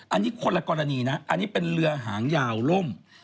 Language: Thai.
อันนี้คนละกรณีนะอันนี้เป็นเรือหางยาวล่ม